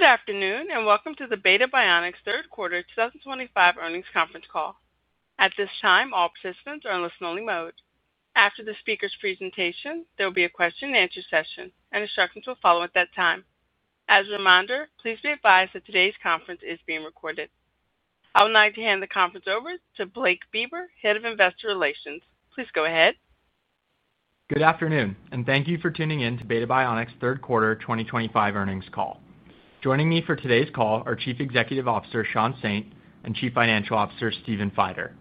Good afternoon and welcome to the Beta Bionics third quarter 2025 earnings conference call. At this time, all participants are in listen-only mode. After the speaker's presentation, there will be a question and answer session, and instructions will follow at that time. As a reminder, please be advised that today's conference is being recorded. I would like to hand the conference over to Blake Beber, Head of Investor Relations. Please go ahead. Good afternoon, and thank you for tuning in to Beta Bionics' third quarter 2025 earnings call. Joining me for today's call are Chief Executive Officer Sean Saint and Chief Financial Officer Stephen Feider.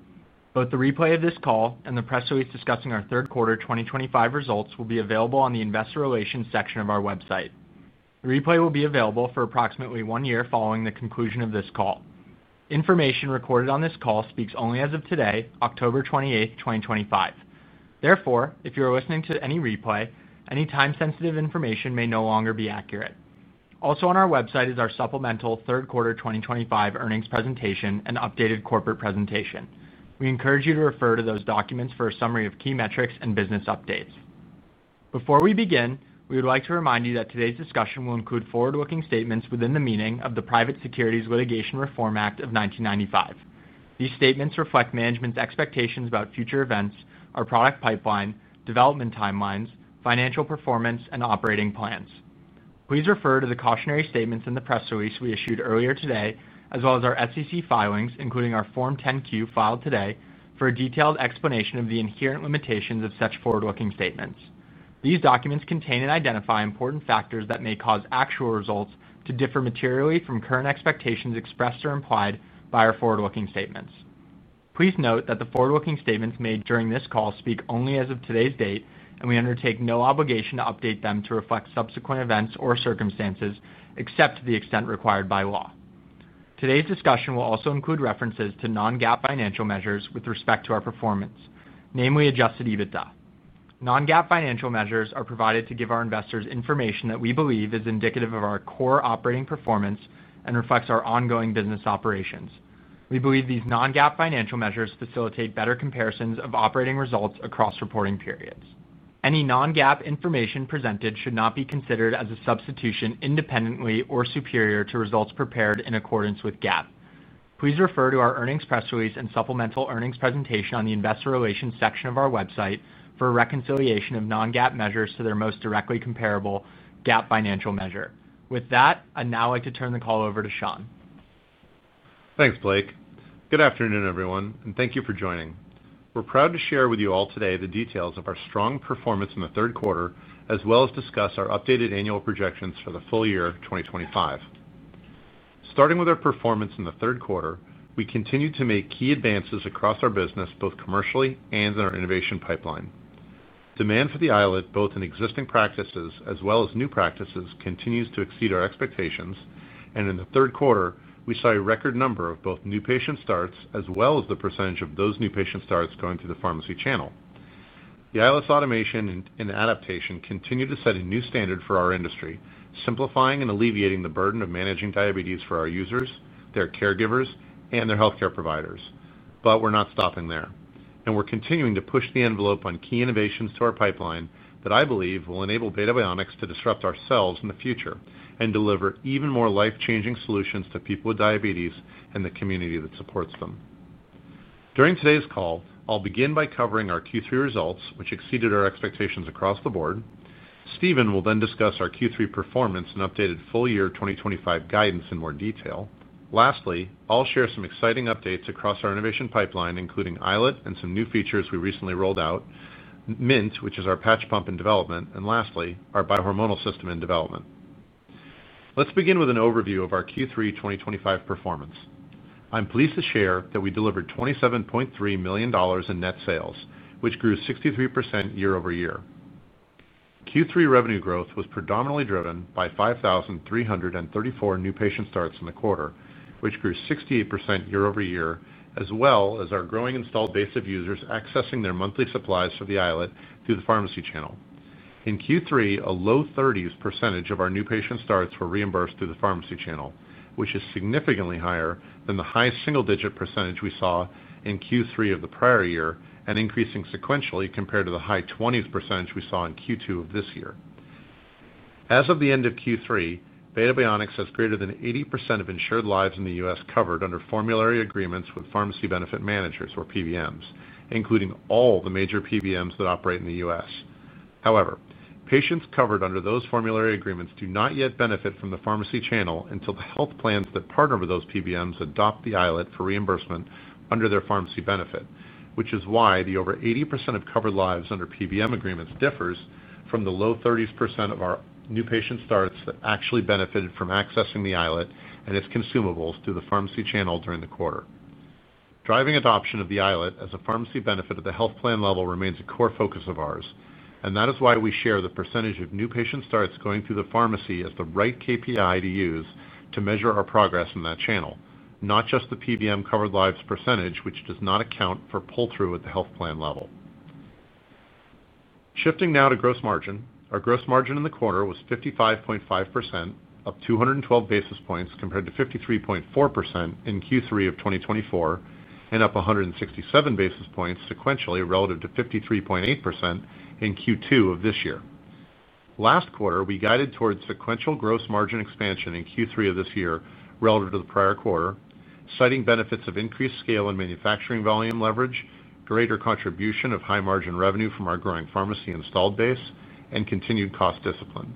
Both the replay of this call and the press release discussing our third quarter 2025 results will be available on the investor relations section of our website. The replay will be available for approximately one year following the conclusion of this call. Information recorded on this call speaks only as of today, October 28, 2025. Therefore, if you are listening to any replay, any time-sensitive information may no longer be accurate. Also on our website is our supplemental third quarter 2025 earnings presentation and updated corporate presentation. We encourage you to refer to those documents for a summary of key metrics and business updates. Before we begin, we would like to remind you that today's discussion will include forward-looking statements within the meaning of the Private Securities Litigation Reform Act of 1995. These statements reflect management's expectations about future events, our product pipeline, development timelines, financial performance, and operating plans. Please refer to the cautionary statements in the press release we issued earlier today, as well as our SEC filings, including our Form 10-Q filed today, for a detailed explanation of the inherent limitations of such forward-looking statements. These documents contain and identify important factors that may cause actual results to differ materially from current expectations expressed or implied by our forward-looking statements. Please note that the forward-looking statements made during this call speak only as of today's date, and we undertake no obligation to update them to reflect subsequent events or circumstances except to the extent required by law. Today's discussion will also include references to non-GAAP financial measures with respect to our performance, namely adjusted EBITDA. Non-GAAP financial measures are provided to give our investors information that we believe is indicative of our core operating performance and reflects our ongoing business operations. We believe these non-GAAP financial measures facilitate better comparisons of operating results across reporting periods. Any non-GAAP information presented should not be considered as a substitution independently or superior to results prepared in accordance with GAAP. Please refer to our earnings press release and supplemental earnings presentation on the investor relations section of our website for a reconciliation of non-GAAP measures to their most directly comparable GAAP financial measure. With that, I'd now like to turn the call over to Sean. Thanks, Blake. Good afternoon, everyone, and thank you for joining. We're proud to share with you all today the details of our strong performance in the third quarter, as well as discuss our updated annual projections for the full year 2025. Starting with our performance in the third quarter, we continue to make key advances across our business, both commercially and in our innovation pipeline. Demand for the iLet, both in existing practices as well as new practices, continues to exceed our expectations, and in the third quarter, we saw a record number of both new patient starts as well as the percentage of those new patient starts going through the pharmacy channel. The iLet’s automation and adaptation continue to set a new standard for our industry, simplifying and alleviating the burden of managing diabetes for our users, their caregivers, and their healthcare providers. We are not stopping there, and we’re continuing to push the envelope on key innovations to our pipeline that I believe will enable Beta Bionics to disrupt ourselves in the future and deliver even more life-changing solutions to people with diabetes and the community that supports them. During today’s call, I’ll begin by covering our Q3 results, which exceeded our expectations across the board. Stephen will then discuss our Q3 performance and updated full year 2025 guidance in more detail. Lastly, I’ll share some exciting updates across our innovation pipeline, including iLet and some new features we recently rolled out, Mint, which is our patch pump in development, and lastly, our biohormonal system in development. Let's begin with an overview of our Q3 2025 performance. I'm pleased to share that we delivered $27.3 million in net sales, which grew 63% year-over-year. Q3 revenue growth was predominantly driven by 5,334 new patient starts in the quarter, which grew 68% year-over-year, as well as our growing installed base of users accessing their monthly supplies for the iLet through the pharmacy channel. In Q3, a low 30s percentage of our new patient starts were reimbursed through the pharmacy channel, which is significantly higher than the high single-digit percentage we saw in Q3 of the prior year, and increasing sequentially compared to the high 20s percentage we saw in Q2 of this year. As of the end of Q3, Beta Bionics has greater than 80% of insured lives in the U.S. covered under formulary agreements with pharmacy benefit managers, or PBMs, including all the major PBMs that operate in the U.S. However, patients covered under those formulary agreements do not yet benefit from the pharmacy channel until the health plans that partner with those PBMs adopt the iLet for reimbursement under their pharmacy benefit, which is why the over 80% of covered lives under PBM agreements differs from the low 30% of our new patient starts that actually benefited from accessing the iLet and its consumables through the pharmacy channel during the quarter. Driving adoption of the iLet as a pharmacy benefit at the health plan level remains a core focus of ours, and that is why we share the percentage of new patient starts going through the pharmacy as the right KPI to use to measure our progress in that channel, not just the PBM covered lives percentage, which does not account for pull-through at the health plan level. Shifting now to gross margin, our gross margin in the quarter was 55.5%, up 212 basis points compared to 53.4% in Q3 of 2024, and up 167 basis points sequentially relative to 53.8% in Q2 of this year. Last quarter, we guided towards sequential gross margin expansion in Q3 of this year relative to the prior quarter, citing benefits of increased scale and manufacturing volume leverage, greater contribution of high margin revenue from our growing pharmacy installed base, and continued cost discipline.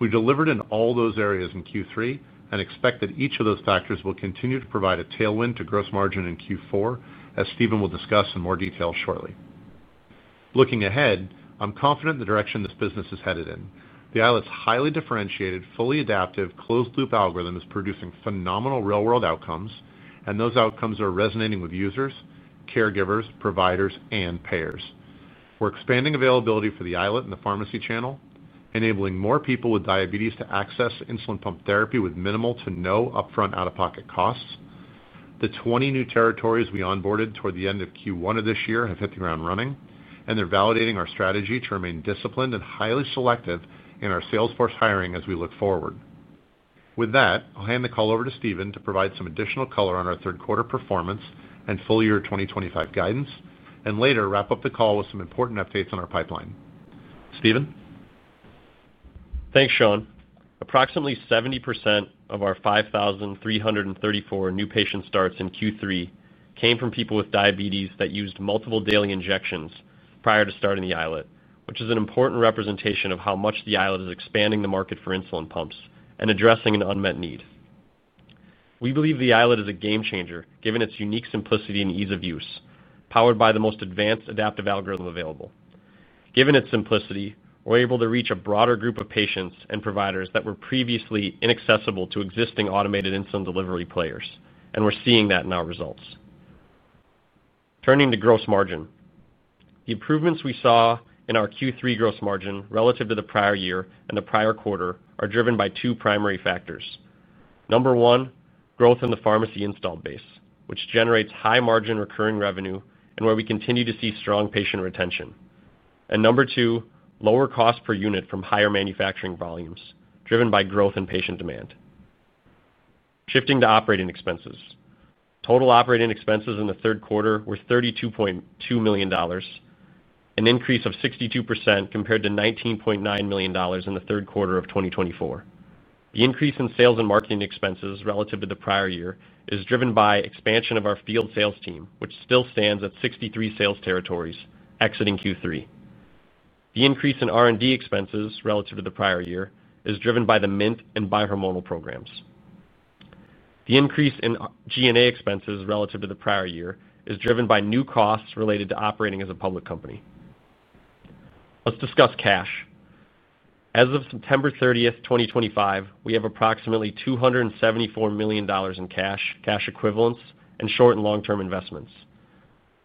We delivered in all those areas in Q3, and expect that each of those factors will continue to provide a tailwind to gross margin in Q4, as Stephen will discuss in more detail shortly. Looking ahead, I'm confident in the direction this business is headed in. The iLet’s highly differentiated, fully adaptive closed-loop algorithm is producing phenomenal real-world outcomes, and those outcomes are resonating with users, caregivers, providers, and payers. We're expanding availability for the iLet and the pharmacy channel, enabling more people with diabetes to access insulin pump therapy with minimal to no upfront out-of-pocket costs. The 20 new territories we onboarded toward the end of Q1 of this year have hit the ground running, and they're validating our strategy to remain disciplined and highly selective in our salesforce hiring as we look forward. With that, I'll hand the call over to Stephen to provide some additional color on our third quarter performance and full year 2025 guidance, and later wrap up the call with some important updates on our pipeline. Stephen? Thanks, Sean. Approximately 70% of our 5,334 new patient starts in Q3 came from people with diabetes that used multiple daily injections prior to starting the iLet, which is an important representation of how much the iLet is expanding the market for insulin pumps and addressing an unmet need. We believe the iLet is a game changer, given its unique simplicity and ease of use, powered by the most advanced adaptive closed-loop algorithm available. Given its simplicity, we're able to reach a broader group of patients and providers that were previously inaccessible to existing automated insulin delivery players, and we're seeing that in our results. Turning to gross margin, the improvements we saw in our Q3 gross margin relative to the prior year and the prior quarter are driven by two primary factors. Number one, growth in the pharmacy installed base, which generates high margin recurring pharmacy revenue and where we continue to see strong patient retention. Number two, lower cost per unit from higher manufacturing volumes, driven by growth in patient demand. Shifting to operating expenses, total operating expenses in the third quarter were $32.2 million, an increase of 62% compared to $19.9 million in the third quarter of 2024. The increase in sales and marketing expenses relative to the prior year is driven by expansion of our field sales team, which still stands at 63 sales territories exiting Q3. The increase in R&D expenses relative to the prior year is driven by the Mint patch pump and biohormonal system programs. The increase in G&A expenses relative to the prior year is driven by new costs related to operating as a public company. Let's discuss cash. As of September 30, 2025, we have approximately $274 million in cash, cash equivalents, and short and long-term investments.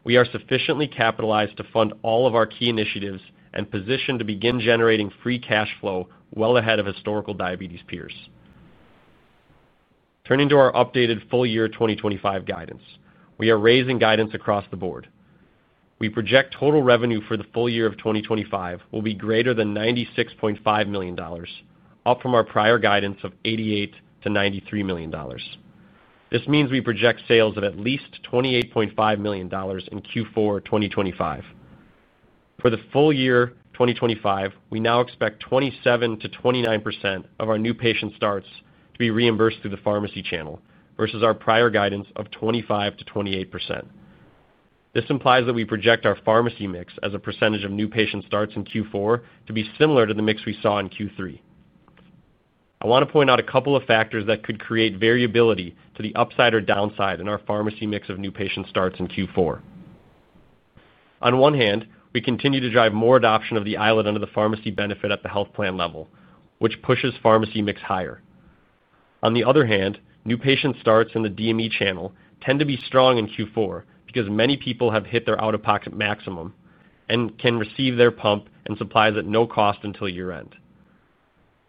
We are sufficiently capitalized to fund all of our key initiatives and positioned to begin generating free cash flow well ahead of historical diabetes peers. Turning to our updated full year 2025 guidance, we are raising guidance across the board. We project total revenue for the full year of 2025 will be greater than $96.5 million, up from our prior guidance of $88 million-$93 million. This means we project sales of at least $28.5 million in Q4 2025. For the full year 2025, we now expect 27%-29% of our new patient starts to be reimbursed through the pharmacy channel versus our prior guidance of 25%-28%. This implies that we project our pharmacy mix as a percentage of new patient starts in Q4 to be similar to the mix we saw in Q3. I want to point out a couple of factors that could create variability to the upside or downside in our pharmacy mix of new patient starts in Q4. On one hand, we continue to drive more adoption of the iLet under the pharmacy benefit at the health plan level, which pushes pharmacy mix higher. On the other hand, new patient starts in the DME channel tend to be strong in Q4 because many people have hit their out-of-pocket maximum and can receive their pump and supplies at no cost until year-end.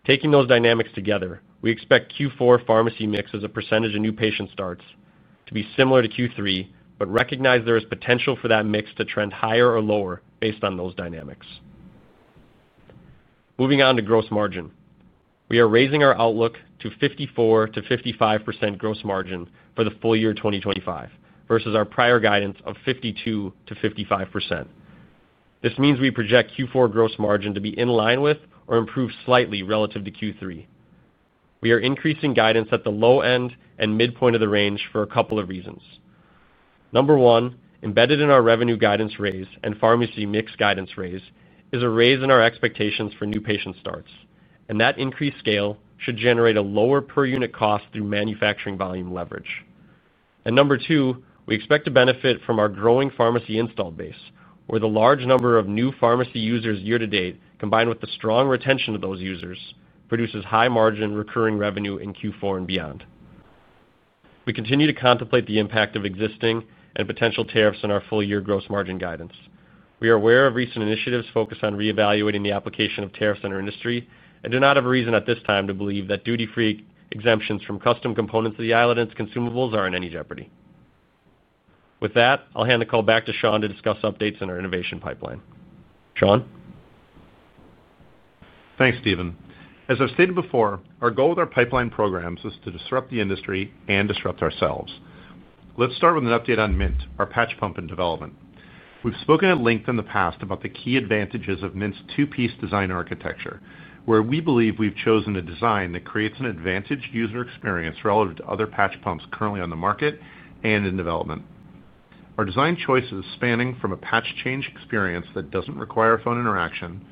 Taking those dynamics together, we expect Q4 pharmacy mix as a percentage of new patient starts to be similar to Q3, but recognize there is potential for that mix to trend higher or lower based on those dynamics. Moving on to gross margin, we are raising our outlook to 54%-55% gross margin for the full year 2025 versus our prior guidance of 52%-55%. This means we project Q4 gross margin to be in line with or improve slightly relative to Q3. We are increasing guidance at the low end and midpoint of the range for a couple of reasons. Number one, embedded in our revenue guidance raise and pharmacy mix guidance raise is a raise in our expectations for new patient starts, and that increased scale should generate a lower per unit cost through manufacturing volume leverage. Number two, we expect to benefit from our growing pharmacy installed base, where the large number of new pharmacy users year to date, combined with the strong retention of those users, produces high margin recurring revenue in Q4 and beyond. We continue to contemplate the impact of existing and potential tariffs on our full year gross margin guidance. We are aware of recent initiatives focused on reevaluating the application of tariffs on our industry and do not have a reason at this time to believe that duty-free exemptions from custom components of the iLet and its consumables are in any jeopardy. With that, I'll hand the call back to Sean to discuss updates in our innovation pipeline. Sean? Thanks, Stephen. As I've stated before, our goal with our pipeline programs is to disrupt the industry and disrupt ourselves. Let's start with an update on Mint, our patch pump in development. We've spoken at length in the past about the key advantages of Mint's two-piece design architecture, where we believe we've chosen a design that creates an advantaged user experience relative to other patch pumps currently on the market and in development. Our design choices, spanning from a patch change experience that doesn't require phone interaction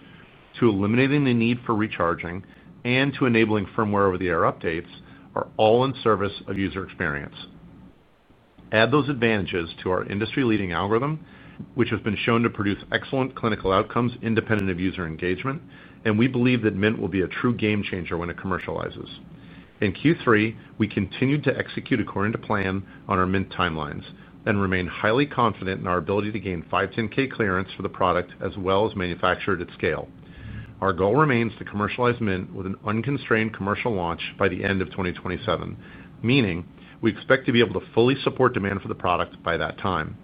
to eliminating the need for recharging and to enabling firmware over-the-air updates, are all in service of user experience. Add those advantages to our industry-leading algorithm, which has been shown to produce excellent clinical outcomes independent of user engagement, and we believe that Mint will be a true game changer when it commercializes. In Q3, we continued to execute according to plan on our Mint timelines and remain highly confident in our ability to gain 510(k) clearance for the product as well as manufacture it at scale. Our goal remains to commercialize Mint with an unconstrained commercial launch by the end of 2027, meaning we expect to be able to fully support demand for the product by that time.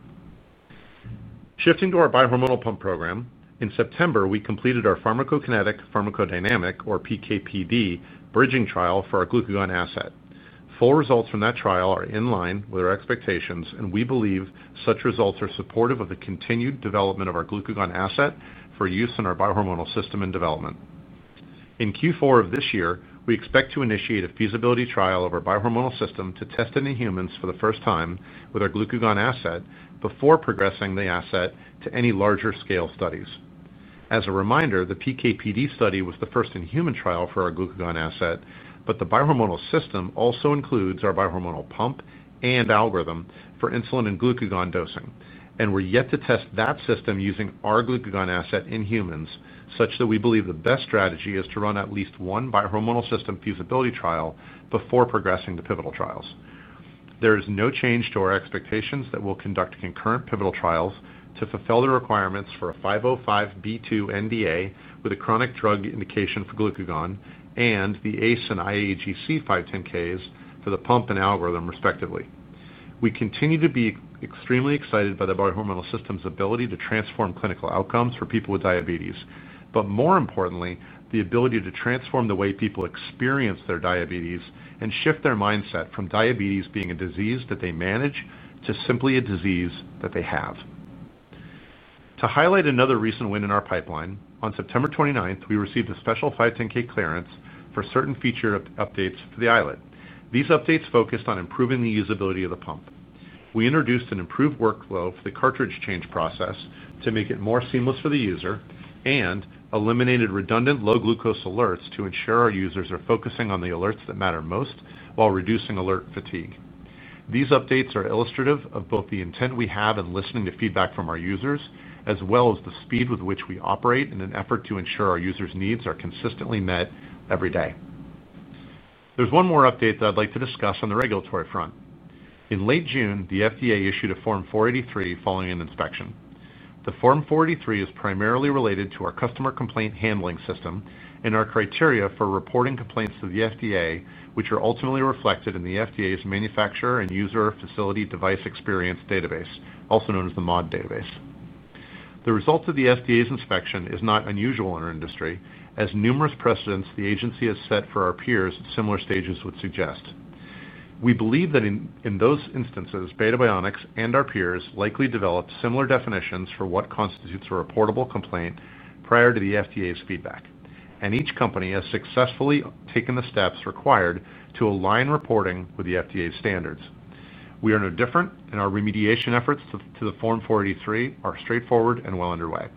Shifting to our biohormonal pump program, in September, we completed our pharmacokinetic pharmacodynamic, or PK/PD, bridging trial for our glucagon asset. Full results from that trial are in line with our expectations, and we believe such results are supportive of the continued development of our glucagon asset for use in our biohormonal system in development. In Q4 of this year, we expect to initiate a feasibility trial of our biohormonal system to test it in humans for the first time with our glucagon asset before progressing the asset to any larger scale studies. As a reminder, the PK/PD study was the first in human trial for our glucagon asset, but the biohormonal system also includes our biohormonal pump and algorithm for insulin and glucagon dosing, and we're yet to test that system using our glucagon asset in humans, such that we believe the best strategy is to run at least one biohormonal system feasibility trial before progressing to pivotal trials. There is no change to our expectations that we'll conduct concurrent pivotal trials to fulfill the requirements for a 505(b)(2) NDA with a chronic drug indication for glucagon and the ACE and IAGC 510(k)s for the pump and algorithm, respectively. We continue to be extremely excited by the biohormonal system's ability to transform clinical outcomes for people with diabetes, but more importantly, the ability to transform the way people experience their diabetes and shift their mindset from diabetes being a disease that they manage to simply a disease that they have. To highlight another recent win in our pipeline, on September 29, we received a special 510(k) clearance for certain feature updates for the iLet. These updates focused on improving the usability of the pump. We introduced an improved workflow for the cartridge change process to make it more seamless for the user and eliminated redundant low-glucose alerts to ensure our users are focusing on the alerts that matter most while reducing alert fatigue. These updates are illustrative of both the intent we have in listening to feedback from our users, as well as the speed with which we operate in an effort to ensure our users' needs are consistently met every day. There is one more update that I'd like to discuss on the regulatory front. In late June, the FDA issued a Form 483 following an inspection. The Form 483 is primarily related to our customer complaint handling system and our criteria for reporting complaints to the FDA, which are ultimately reflected in the FDA's Manufacturer and User Facility Device Experience Database, also known as the MOD Database. The results of the FDA's inspection are not unusual in our industry, as numerous precedents the agency has set for our peers at similar stages would suggest. We believe that in those instances, Beta Bionics and our peers likely developed similar definitions for what constitutes a reportable complaint prior to the FDA's feedback, and each company has successfully taken the steps required to align reporting with the FDA's standards. We are no different, and our remediation efforts to the Form 483 are straightforward and well underway.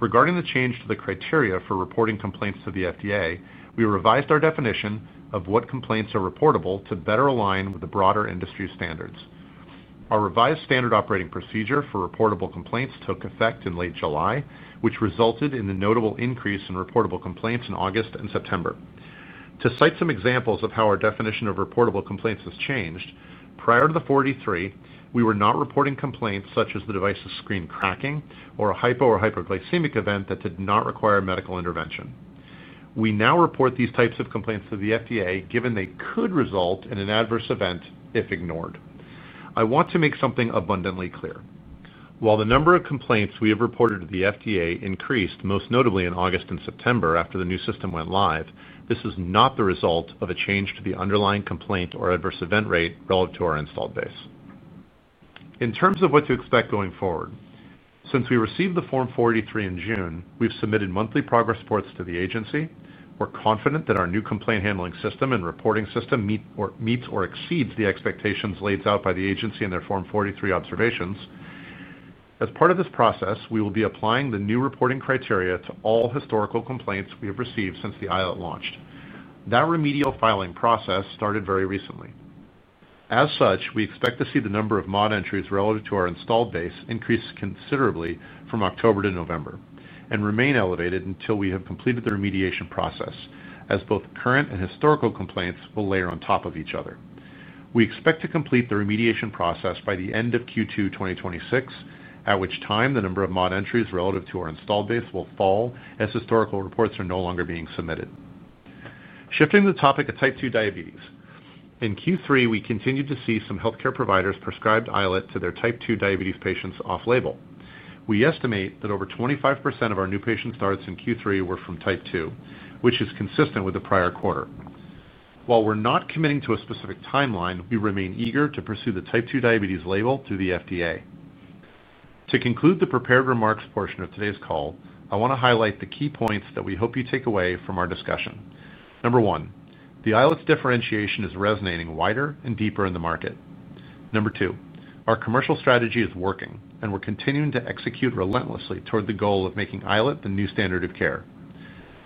Regarding the change to the criteria for reporting complaints to the FDA, we revised our definition of what complaints are reportable to better align with the broader industry standards. Our revised standard operating procedure for reportable complaints took effect in late July, which resulted in a notable increase in reportable complaints in August and September. To cite some examples of how our definition of reportable complaints has changed, prior to the 483, we were not reporting complaints such as the device's screen cracking or a hypo or hyperglycemic event that did not require medical intervention. We now report these types of complaints to the FDA, given they could result in an adverse event if ignored. I want to make something abundantly clear. While the number of complaints we have reported to the FDA increased most notably in August and September after the new system went live, this is not the result of a change to the underlying complaint or adverse event rate relative to our installed base. In terms of what to expect going forward, since we received the Form 483 in June, we've submitted monthly progress reports to the agency. We're confident that our new complaint handling system and reporting system meets or exceeds the expectations laid out by the agency in their Form 483 observations. As part of this process, we will be applying the new reporting criteria to all historical complaints we have received since the iLet launched. That remedial filing process started very recently. As such, we expect to see the number of MOD entries relative to our installed base increase considerably from October to November and remain elevated until we have completed the remediation process, as both current and historical complaints will layer on top of each other. We expect to complete the remediation process by the end of Q2 2026, at which time the number of MOD entries relative to our installed base will fall as historical reports are no longer being submitted. Shifting the topic to type 2 diabetes. In Q3, we continued to see some healthcare providers prescribe iLet to their type 2 diabetes patients off-label. We estimate that over 25% of our new patient starts in Q3 were from type 2, which is consistent with the prior quarter. While we're not committing to a specific timeline, we remain eager to pursue the type 2 diabetes label through the FDA. To conclude the prepared remarks portion of today's call, I want to highlight the key points that we hope you take away from our discussion. Number one, the iLet’s differentiation is resonating wider and deeper in the market. Number two, our commercial strategy is working, and we're continuing to execute relentlessly toward the goal of making iLet the new standard of care.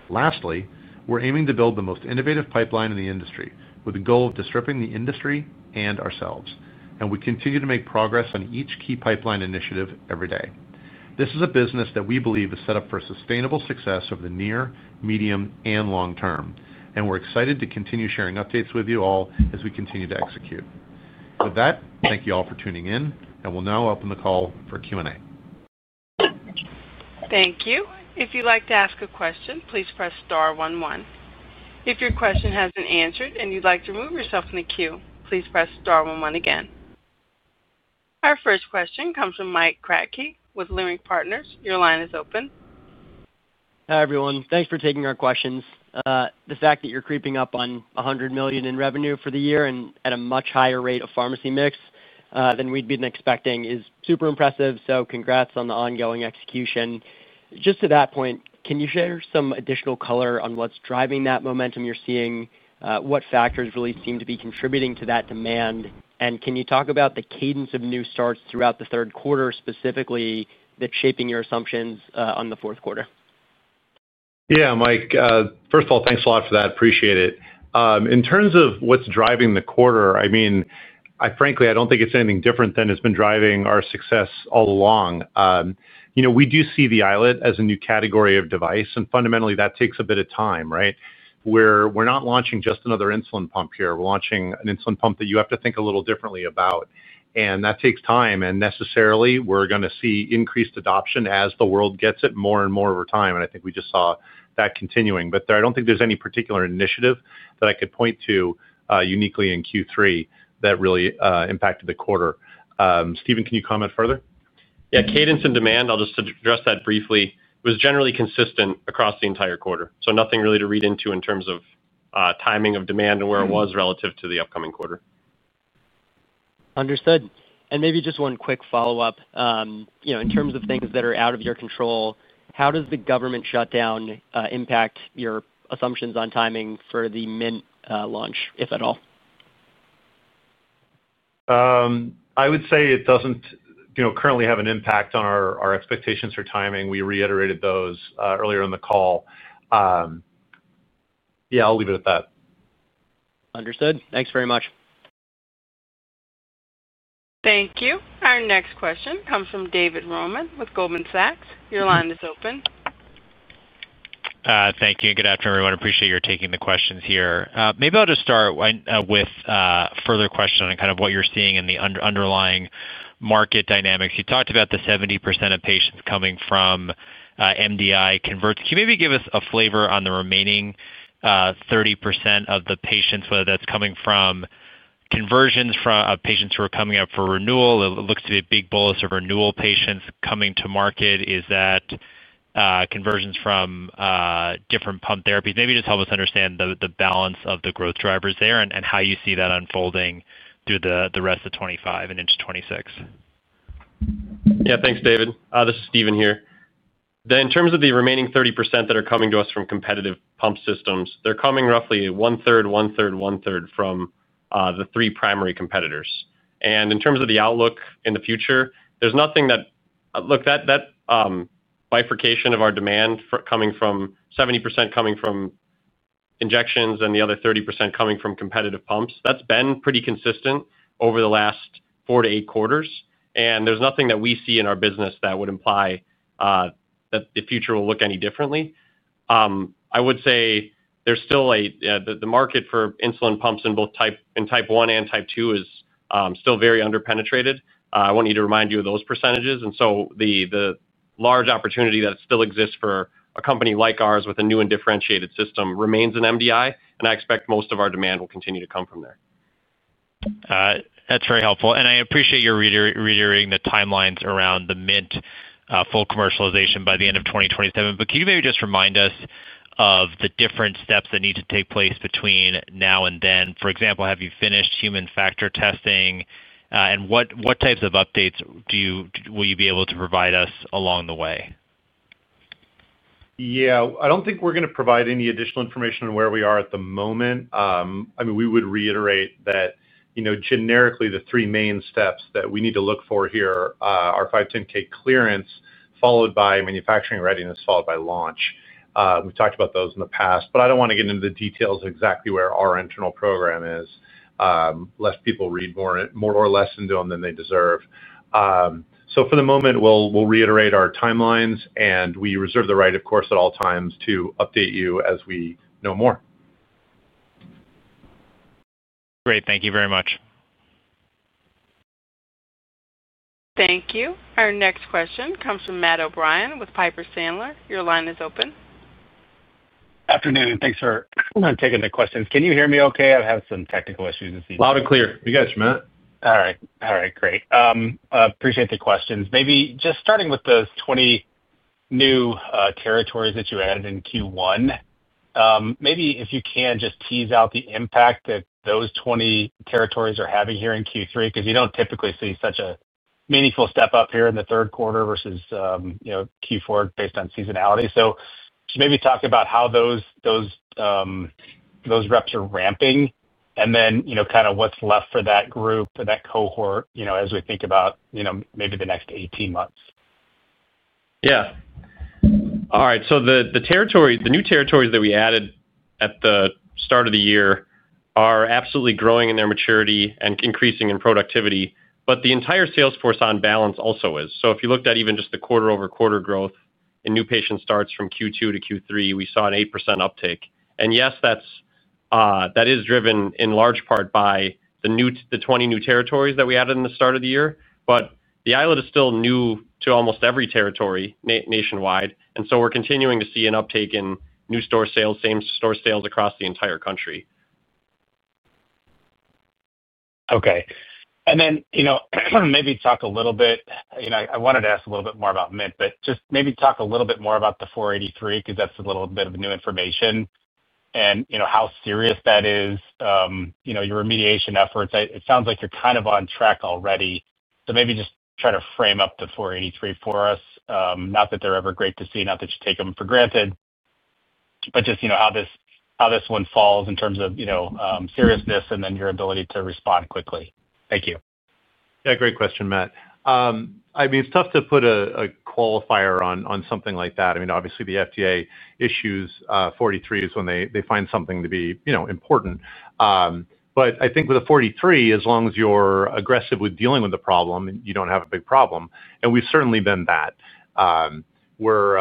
Lastly, we're aiming to build the most innovative pipeline in the industry with the goal of disrupting the industry and ourselves, and we continue to make progress on each key pipeline initiative every day. This is a business that we believe is set up for sustainable success over the near, medium, and long term, and we're excited to continue sharing updates with you all as we continue to execute. With that, thank you all for tuning in, and we'll now open the call for Q&A. Thank you. If you'd like to ask a question, please press star one one. If your question has been answered and you'd like to remove yourself from the queue, please press star one one again. Our first question comes from Mike Kratky with Leerink Partners. Your line is open. Hi, everyone. Thanks for taking our questions. The fact that you're creeping up on $100 million in revenue for the year and at a much higher rate of pharmacy mix than we'd been expecting is super impressive, so congrats on the ongoing execution. Just to that point, can you share some additional color on what's driving that momentum you're seeing? What factors really seem to be contributing to that demand? Can you talk about the cadence of new starts throughout the third quarter, specifically that's shaping your assumptions on the fourth quarter? Yeah, Mike. First of all, thanks a lot for that. Appreciate it. In terms of what's driving the quarter, I mean, frankly, I don't think it's anything different than what's been driving our success all along. We do see the iLet as a new category of device, and fundamentally, that takes a bit of time, right? We're not launching just another insulin pump here. We're launching an insulin pump that you have to think a little differently about, and that takes time, and necessarily, we're going to see increased adoption as the world gets it more and more over time. I think we just saw that continuing. I don't think there's any particular initiative that I could point to uniquely in Q3 that really impacted the quarter. Stephen, can you comment further? Yeah, cadence and demand, I'll just address that briefly. It was generally consistent across the entire quarter, so nothing really to read into in terms of timing of demand and where it was relative to the upcoming quarter. Understood. Maybe just one quick follow-up. In terms of things that are out of your control, how does the government shutdown impact your assumptions on timing for the Mint launch, if at all? I would say it doesn't currently have an impact on our expectations for timing. We reiterated those earlier in the call. I'll leave it at that. Understood. Thanks very much. Thank you. Our next question comes from David Roman with Goldman Sachs. Your line is open. Thank you, and good afternoon, everyone. I appreciate your taking the questions here. Maybe I'll just start with a further question on kind of what you're seeing in the underlying market dynamics. You talked about the 70% of patients coming from MDI converts. Can you maybe give us a flavor on the remaining 30% of the patients, whether that's coming from conversions of patients who are coming up for renewal? It looks to be a big bolus of renewal patients coming to market. Is that conversions from different pump therapies? Maybe just help us understand the balance of the growth drivers there and how you see that unfolding through the rest of 2025 and into 2026. Yeah, thanks, David. This is Stephen here. In terms of the remaining 30% that are coming to us from competitive pump systems, they're coming roughly one-third, one-third, one-third from the three primary competitors. In terms of the outlook in the future, that bifurcation of our demand coming from 70% coming from injections and the other 30% coming from competitive pumps has been pretty consistent over the last four to eight quarters, and there's nothing that we see in our business that would imply that the future will look any differently. I would say the market for insulin pumps in both type 1 and type 2 is still very underpenetrated. I want to remind you of those percentages, and the large opportunity that still exists for a company like ours with a new and differentiated system remains in MDI, and I expect most of our demand will continue to come from there. That's very helpful, and I appreciate your reiterating the timelines around the Mint full commercialization by the end of 2027. Can you maybe just remind us of the different steps that need to take place between now and then? For example, have you finished human factor testing, and what types of updates will you be able to provide us along the way? Yeah, I don't think we're going to provide any additional information on where we are at the moment. I mean, we would reiterate that, you know, generically, the three main steps that we need to look for here are 510(k) clearance, followed by manufacturing readiness, followed by launch. We've talked about those in the past, but I don't want to get into the details of exactly where our internal program is, lest people read more or less into them than they deserve. For the moment, we'll reiterate our timelines, and we reserve the right, of course, at all times to update you as we know more. Great, thank you very much. Thank you. Our next question comes from Matt O'Brien with Piper Sandler. Your line is open. Afternoon, and thanks for taking the questions. Can you hear me okay? I have some technical issues this evening. Loud and clear. You got it, Matt? All right, great. Appreciate the questions. Maybe just starting with those 20 new territories that you added in Q1, maybe if you can just tease out the impact that those 20 territories are having here in Q3 because you don't typically see such a meaningful step up here in the third quarter versus Q4 based on seasonality. Just maybe talk about how those reps are ramping and then kind of what's left for that group, for that cohort, as we think about maybe the next 18 months. All right. The new territories that we added at the start of the year are absolutely growing in their maturity and increasing in productivity, but the entire salesforce on balance also is. If you looked at even just the quarter-over-quarter growth in new patient starts from Q2 to Q3, we saw an 8% uptake. Yes, that is driven in large part by the 20 new territories that we added at the start of the year, but the iLet is still new to almost every territory nationwide, and we're continuing to see an uptake in new store sales, same store sales across the entire country. Okay. Maybe talk a little bit, I wanted to ask a little bit more about Mint, but just maybe talk a little bit more about the 483 because that's a little bit of new information and how serious that is, your remediation efforts. It sounds like you're kind of on track already, so maybe just try to frame up the 483 for us. Not that they're ever great to see, not that you take them for granted, but just how this one falls in terms of seriousness and then your ability to respond quickly. Thank you. Yeah, great question, Matt. I mean, it's tough to put a qualifier on something like that. Obviously, the FDA issues 43s when they find something to be, you know, important. I think with a 43, as long as you're aggressive with dealing with the problem, you don't have a big problem, and we've certainly been that. We're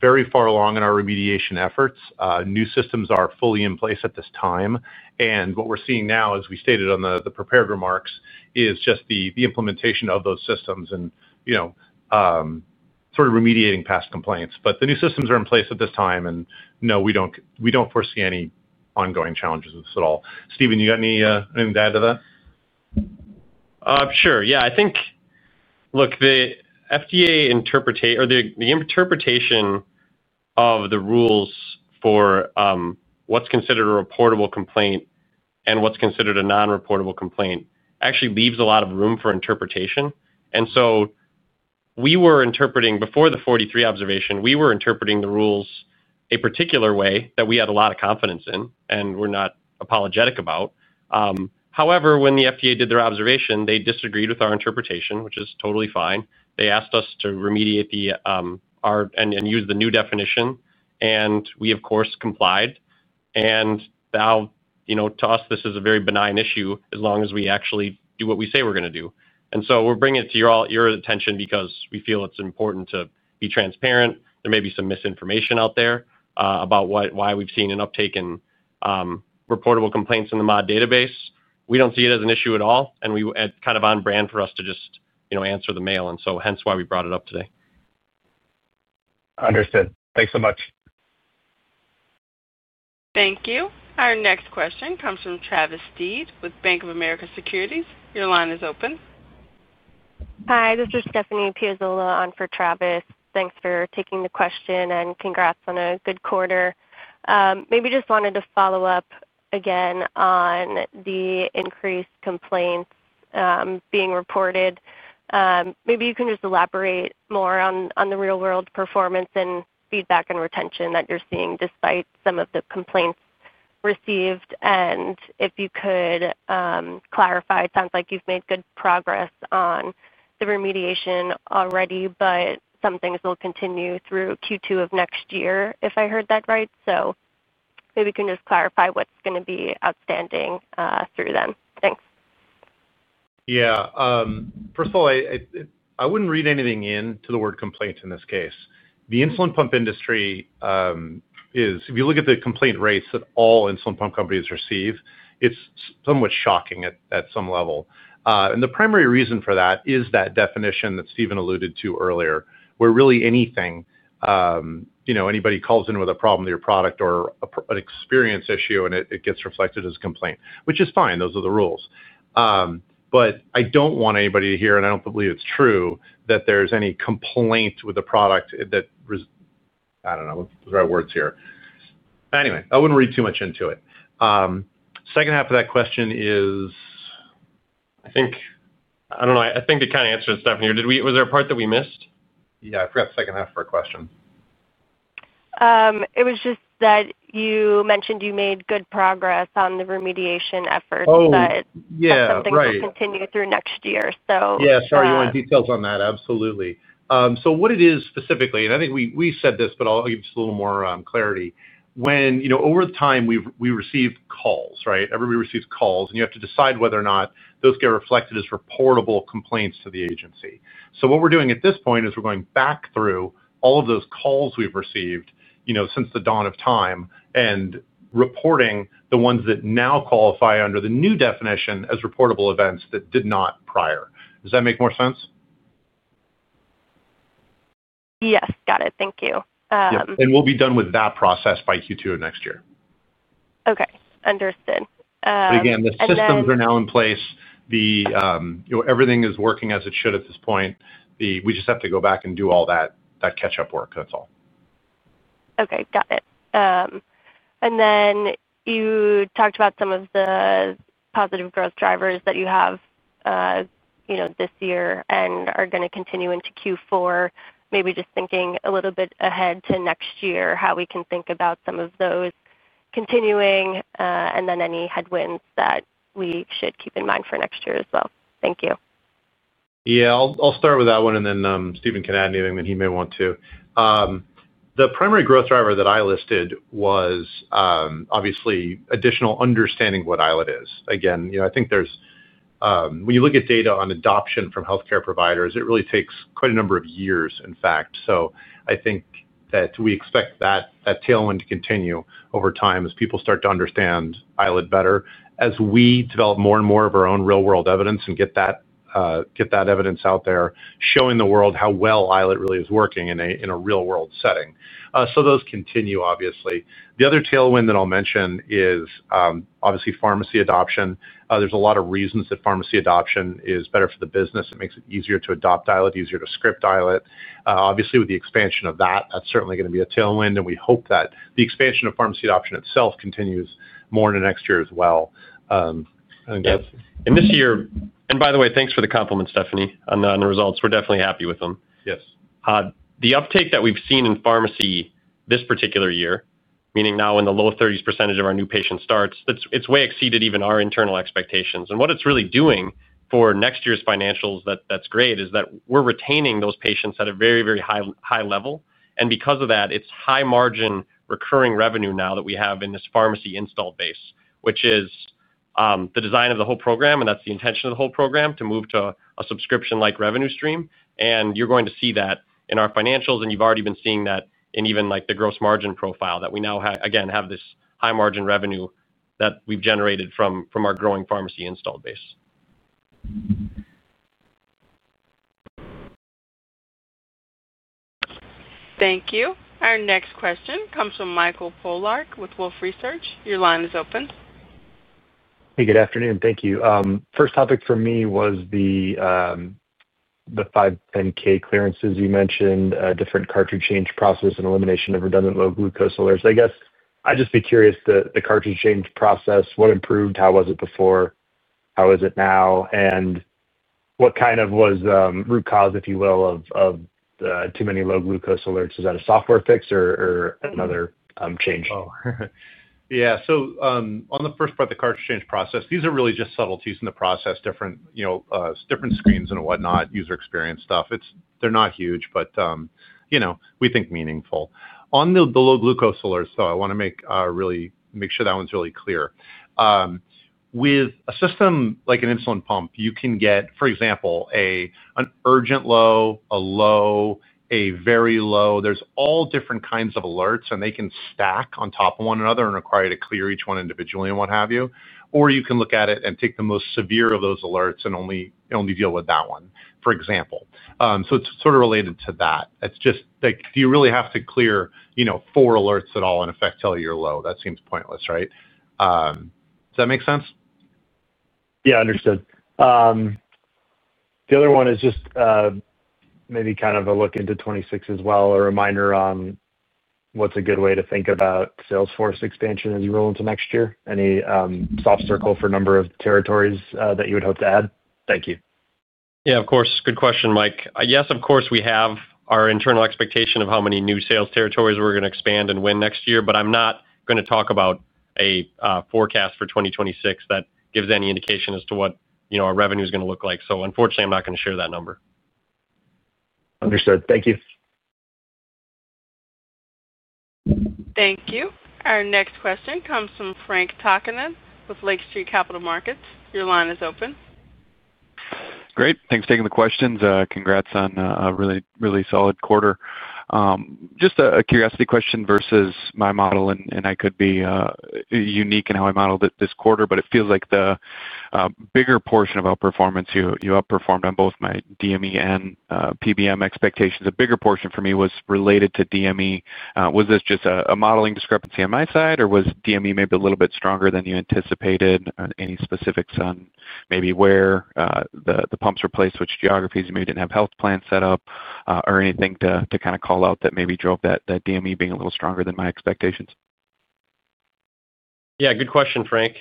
very far along in our remediation efforts. New systems are fully in place at this time, and what we're seeing now, as we stated on the prepared remarks, is just the implementation of those systems and sort of remediating past complaints. The new systems are in place at this time, and no, we don't foresee any ongoing challenges with this at all. Stephen, you got anything to add to that? Sure, yeah. I think, look, the FDA interpretation or the interpretation of the rules for what's considered a reportable complaint and what's considered a non-reportable complaint actually leaves a lot of room for interpretation. We were interpreting before the 43 observation, we were interpreting the rules a particular way that we had a lot of confidence in and were not apologetic about. However, when the FDA did their observation, they disagreed with our interpretation, which is totally fine. They asked us to remediate and use the new definition, and we, of course, complied. Now, you know, to us, this is a very benign issue as long as we actually do what we say we're going to do. We're bringing it to your attention because we feel it's important to be transparent. There may be some misinformation out there about why we've seen an uptake in reportable complaints in the MOD database. We don't see it as an issue at all, and it's kind of on brand for us to just answer the mail, hence why we brought it up today. Understood. Thanks so much. Thank you. Our next question comes from Travis Steed with Bank of America. Your line is open. Hi, this is Stephanie Piazzola on for Travis. Thanks for taking the question and congrats on a good quarter. Maybe just wanted to follow up again on the increased complaints being reported. Maybe you can just elaborate more on the real-world performance and feedback and retention that you're seeing despite some of the complaints received, and if you could clarify, it sounds like you've made good progress on the remediation already, but some things will continue through Q2 of next year, if I heard that right. Maybe you can just clarify what's going to be outstanding through then. Thanks. Yeah. First of all, I wouldn't read anything into the word complaints in this case. The insulin pump industry is, if you look at the complaint rates that all insulin pump companies receive, it's somewhat shocking at some level. The primary reason for that is that definition that Stephen alluded to earlier, where really anything, you know, anybody calls in with a problem to your product or an experience issue, and it gets reflected as a complaint, which is fine. Those are the rules. I don't want anybody to hear, and I don't believe it's true, that there's any complaint with the product that, I don't know, what's the right words here. Anyway, I wouldn't read too much into it. Second half of that question is, I think, I don't know, I think they kind of answered it, Stephanie. Was there a part that we missed? Yeah, I forgot the second half of her question. It was just that you mentioned you made good progress on the remediation efforts, but something to continue through next year. Yeah, sorry, you want details on that? Absolutely. What it is specifically, and I think we said this, but I'll give you just a little more clarity. Over the time we've received calls, right? Everybody receives calls, and you have to decide whether or not those get reflected as reportable complaints to the agency. What we're doing at this point is going back through all of those calls we've received since the dawn of time and reporting the ones that now qualify under the new definition as reportable events that did not prior. Does that make more sense? Yes, got it. Thank you. We will be done with that process by Q2 of next year. Okay, understood. The systems are now in place. Everything is working as it should at this point. We just have to go back and do all that catch-up work, and that's all. Okay, got it. You talked about some of the positive growth drivers that you have this year and are going to continue into Q4. Maybe just thinking a little bit ahead to next year, how we can think about some of those continuing, and any headwinds that we should keep in mind for next year as well. Thank you. Yeah, I'll start with that one, and then Stephen can add anything that he may want to. The primary growth driver that I listed was, obviously, additional understanding of what iLet is. Again, you know, I think there's, when you look at data on adoption from healthcare providers, it really takes quite a number of years, in fact. I think that we expect that tailwind to continue over time as people start to understand iLet better, as we develop more and more of our own real-world evidence and get that evidence out there, showing the world how well iLet really is working in a real-world setting. Those continue, obviously. The other tailwind that I'll mention is, obviously, pharmacy adoption. There are a lot of reasons that pharmacy adoption is better for the business. It makes it easier to adopt iLet, easier to script iLet. Obviously, with the expansion of that, that's certainly going to be a tailwind, and we hope that the expansion of pharmacy adoption itself continues more into next year as well. This year, and by the way, thanks for the compliment, Stephanie, on the results. We're definitely happy with them. Yes, the uptake that we've seen in pharmacy this particular year, meaning now in the low 30% of our new patient starts, it's way exceeded even our internal expectations. What it's really doing for next year's financials that's great is that we're retaining those patients at a very, very high level. Because of that, it's high margin recurring revenue now that we have in this pharmacy installed base, which is the design of the whole program, and that's the intention of the whole program, to move to a subscription-like revenue stream. You're going to see that in our financials, and you've already been seeing that in even like the gross margin profile that we now, again, have this high margin revenue that we've generated from our growing pharmacy installed base. Thank you. Our next question comes from Michael Polark with Wolfe Research. Your line is open. Hey, good afternoon. Thank you. First topic for me was the 510(k) clearances you mentioned, different cartridge change process, and elimination of redundant low glucose alerts. I guess I'd just be curious, the cartridge change process, what improved, how was it before, how is it now, and what kind of was the root cause, if you will, of the too many low glucose alerts? Is that a software fix or another change? Yeah, on the first part of the cartridge change process, these are really just subtleties in the process, different screens and whatnot, user experience stuff. They're not huge, but we think meaningful. On the low glucose alerts, I want to make sure that one's really clear. With a system like an insulin pump, you can get, for example, an urgent low, a low, a very low. There are all different kinds of alerts, and they can stack on top of one another and require you to clear each one individually. You can look at it and take the most severe of those alerts and only deal with that one, for example. It is sort of related to that. It's just like, do you really have to clear four alerts at all and in effect tell you you're low? That seems pointless, right? Does that make sense? Yeah, understood. The other one is just maybe kind of a look into 2026 as well, a reminder on what's a good way to think about salesforce expansion as you roll into next year. Any soft circle for a number of territories that you would hope to add? Thank you. Yeah, of course. Good question, Mike. Yes, of course, we have our internal expectation of how many new sales territories we're going to expand and win next year, but I'm not going to talk about a forecast for 2026 that gives any indication as to what our revenue is going to look like. Unfortunately, I'm not going to share that number. Understood. Thank you. Thank you. Our next question comes from Frank Takkinin with Lake Street Capital Markets. Your line is open. Great. Thanks for taking the questions. Congrats on a really, really solid quarter. Just a curiosity question versus my model, and I could be unique in how I modeled it this quarter, but it feels like the bigger portion of outperformance, you outperformed on both my DME and PBM expectations. A bigger portion for me was related to DME. Was this just a modeling discrepancy on my side, or was DME maybe a little bit stronger than you anticipated? Any specifics on maybe where the pumps were placed, which geographies you maybe didn't have health plans set up, or anything to kind of call out that maybe drove that DME being a little stronger than my expectations? Yeah, good question, Frank.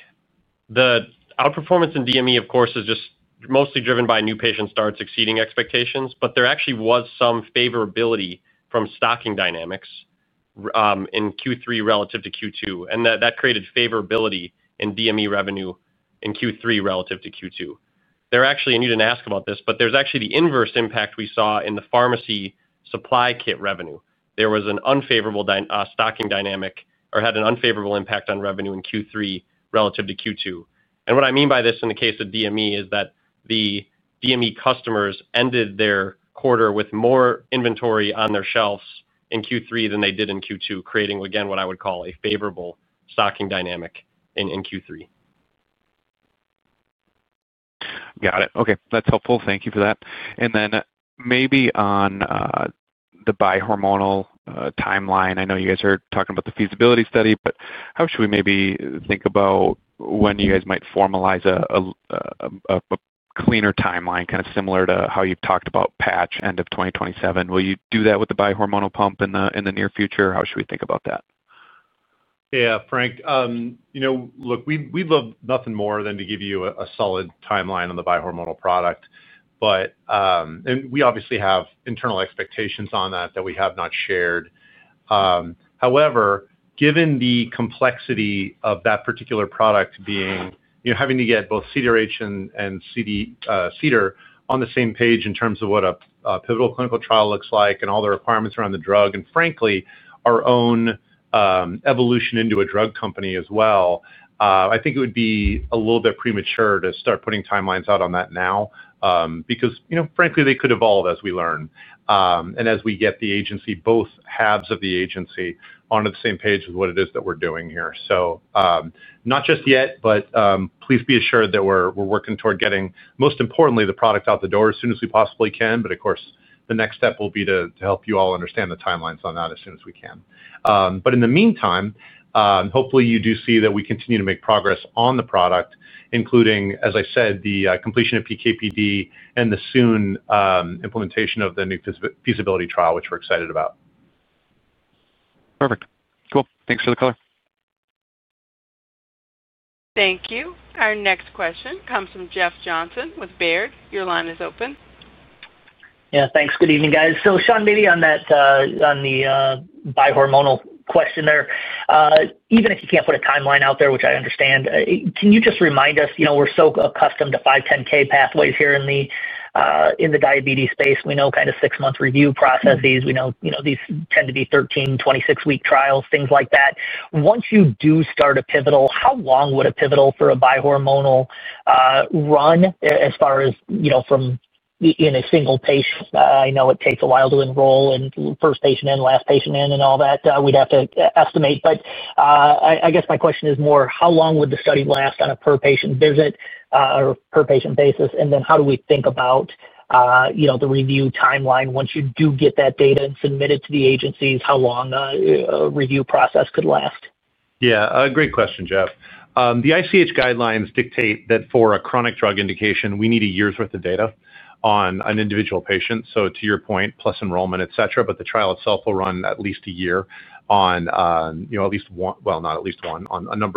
The outperformance in DME, of course, is just mostly driven by new patient starts exceeding expectations, but there actually was some favorability from stocking dynamics in Q3 relative to Q2, and that created favorability in DME revenue in Q3 relative to Q2. There actually, you didn't ask about this, but there's actually the inverse impact we saw in the pharmacy supply kit revenue. There was an unfavorable stocking dynamic or had an unfavorable impact on revenue in Q3 relative to Q2. What I mean by this in the case of DME is that the DME customers ended their quarter with more inventory on their shelves in Q3 than they did in Q2, creating, again, what I would call a favorable stocking dynamic in Q3. Got it. Okay, that's helpful. Thank you for that. Maybe on the biohormonal timeline, I know you guys are talking about the feasibility study, but how should we maybe think about when you guys might formalize a cleaner timeline, kind of similar to how you've talked about patch end of 2027? Will you do that with the biohormonal pump in the near future? How should we think about that? Yeah, Frank. Look, we'd love nothing more than to give you a solid timeline on the biohormonal product, but we obviously have internal expectations on that that we have not shared. However, given the complexity of that particular product being, you know, having to get both CDRH and CDR on the same page in terms of what a pivotal clinical trial looks like and all the requirements around the drug, and frankly, our own evolution into a drug company as well, I think it would be a little bit premature to start putting timelines out on that now because, frankly, they could evolve as we learn and as we get the agency, both halves of the agency, onto the same page with what it is that we're doing here. Not just yet, but please be assured that we're working toward getting, most importantly, the product out the door as soon as we possibly can. Of course, the next step will be to help you all understand the timelines on that as soon as we can. In the meantime, hopefully, you do see that we continue to make progress on the product, including, as I said, the completion of PK/PD and the soon implementation of the new feasibility trial, which we're excited about. Perfect. Cool. Thanks for the color. Thank you. Our next question comes from Jeff Johnson with Baird. Your line is open. Yeah, thanks. Good evening, guys. Sean, maybe on that, on the biohormonal question there, even if you can't put a timeline out there, which I understand, can you just remind us, you know, we're so accustomed to 510(k) pathways here in the diabetes space. We know kind of six-month review processes. We know, you know, these tend to be 13, 26-week trials, things like that. Once you do start a pivotal, how long would a pivotal for a biohormonal run as far as, you know, from in a single patient? I know it takes a while to enroll in first patient and last patient in and all that. We'd have to estimate. My question is more, how long would the study last on a per-patient visit or per-patient basis? How do we think about, you know, the review timeline once you do get that data and submit it to the agencies? How long a review process could last? Yeah, great question, Jeff. The ICH guidelines dictate that for a chronic drug indication, we need a year's worth of data on an individual patient. To your point, plus enrollment, et cetera, the trial itself will run at least a year on a number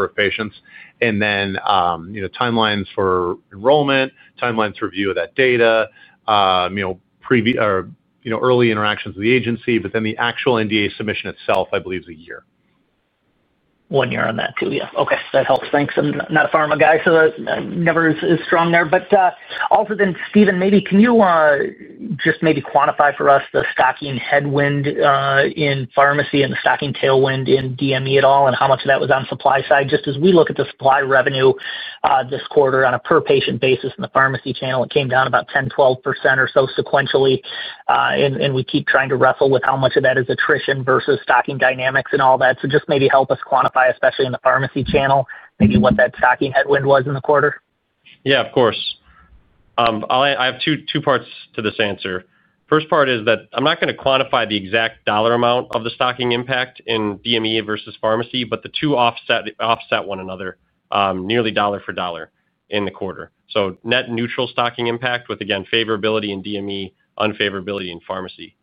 of patients. Timelines for enrollment, timelines for review of that data, early interactions with the agency, then the actual NDA submission itself, I believe, is a year. One year on that too, yeah. Okay, that helps. Thanks. I'm not a pharma guy, so that never is strong there. Also, Stephen, maybe can you just maybe quantify for us the stocking headwind in pharmacy and the stocking tailwind in DME at all, and how much of that was on supply side? As we look at the supply revenue this quarter on a per-patient basis in the pharmacy channel, it came down about 10% to 12% or so sequentially. We keep trying to wrestle with how much of that is attrition versus stocking dynamics and all that. Just maybe help us quantify, especially in the pharmacy channel, what that stocking headwind was in the quarter? Yeah, of course. I have two parts to this answer. First part is that I'm not going to quantify the exact dollar amount of the stocking impact in DME versus pharmacy, but the two offset one another, nearly dollar for dollar in the quarter. Net neutral stocking impact with, again, favorability in DME, unfavorability in pharmacy.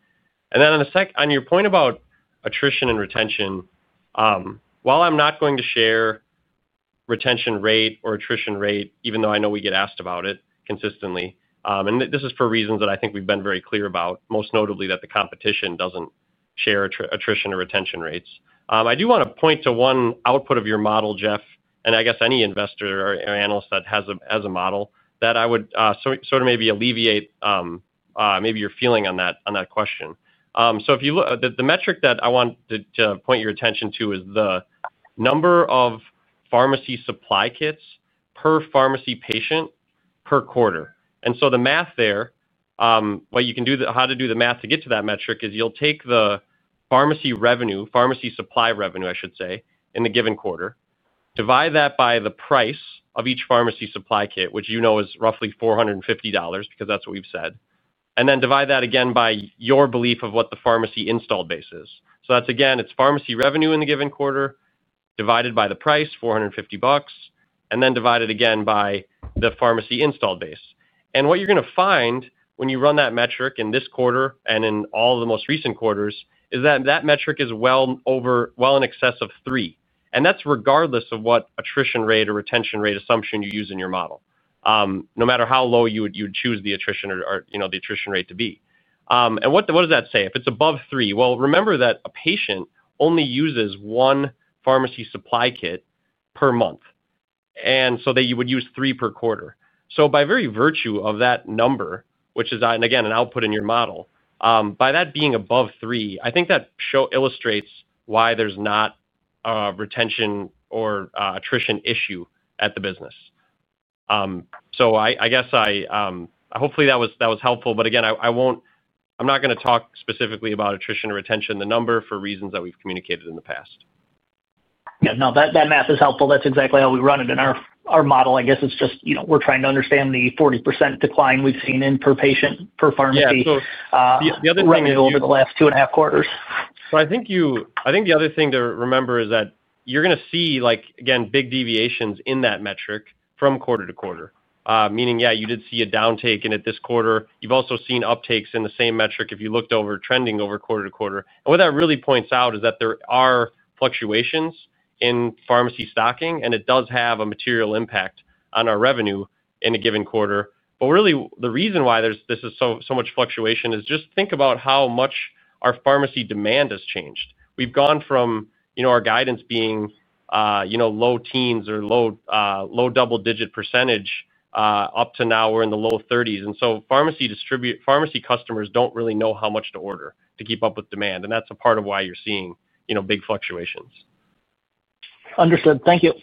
On your point about attrition and retention, while I'm not going to share retention rate or attrition rate, even though I know we get asked about it consistently, and this is for reasons that I think we've been very clear about, most notably that the competition doesn't share attrition or retention rates. I do want to point to one output of your model, Jeff, and I guess any investor or analyst that has a model that I would sort of maybe alleviate maybe your feeling on that question. If you look, the metric that I want to point your attention to is the number of pharmacy supply kits per pharmacy patient per quarter. The math there, what you can do, how to do the math to get to that metric is you'll take the pharmacy revenue, pharmacy supply revenue, I should say, in the given quarter, divide that by the price of each pharmacy supply kit, which you know is roughly $450 because that's what we've said, and then divide that again by your belief of what the pharmacy installed base is. Again, it's pharmacy revenue in the given quarter divided by the price, $450, and then divided again by the pharmacy installed base. What you're going to find when you run that metric in this quarter and in all the most recent quarters is that that metric is well in excess of three. That's regardless of what attrition rate or retention rate assumption you use in your model, no matter how low you would choose the attrition rate to be. If it's above three, remember that a patient only uses one pharmacy supply kit per month, and so that you would use three per quarter. By very virtue of that number, which is, again, an output in your model, by that being above three, I think that illustrates why there's not a retention or attrition issue at the business. I hope that was helpful, but again, I'm not going to talk specifically about attrition or retention, the number for reasons that we've communicated in the past. Yeah, no, that math is helpful. That's exactly how we run it in our model. I guess it's just, you know, we're trying to understand the 40% decline we've seen in per patient per pharmacy revenue over the last two and a half quarters. I think the other thing to remember is that you're going to see, like, again, big deviations in that metric from quarter to quarter, meaning, yeah, you did see a downtake, and at this quarter, you've also seen uptakes in the same metric if you looked over trending over quarter to quarter. What that really points out is that there are fluctuations in pharmacy stocking, and it does have a material impact on our revenue in a given quarter. The reason why there's so much fluctuation is just think about how much our pharmacy demand has changed. We've gone from, you know, our guidance being, you know, low teens or low double-digit percentage up to now we're in the low 30%. Pharmacy customers don't really know how much to order to keep up with demand, and that's a part of why you're seeing, you know, big fluctuations. Understood. Thank you.